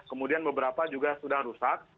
kemudian beberapa juga sudah rusak